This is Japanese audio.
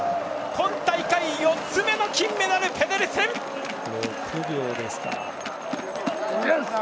今大会、４つ目の金メダルペデルセン！